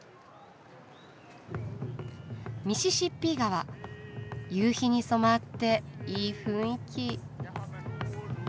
ミシシッピ川夕日に染まっていい雰囲気。